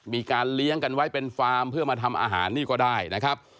มีการเลี้ยงกันไว้เป็นฟาร์มเพื่อมาทำอาหารนี่ก็ได้นะครับ